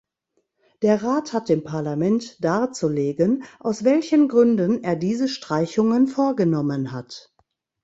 Der Rat hat dem Parlament darzulegen, aus welchen Gründen er diese Streichungen vorgenommen hat.